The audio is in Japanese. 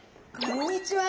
こんにちは！